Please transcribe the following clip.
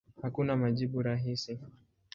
Hakuna majibu rahisi.